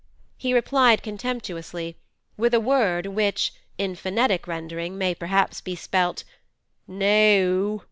He replied contemptuously with a word which, in phonetic rendering may perhaps be spelt 'Nay oo.